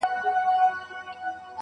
په ټوله کلي کي د دوو خبرو څوک نه لري